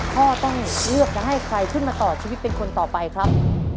พ่อต้องเลือกจะให้ใครขึ้นมาต่อชีวิตเป็นคนต่อไปครับ